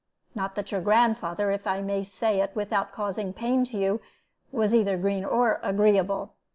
Not that your grandfather, if I may say it without causing pain to you, was either green or agreeable.